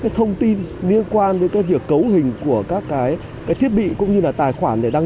cái thông tin liên quan đến cái việc cấu hình của các cái thiết bị cũng như là tài khoản để đăng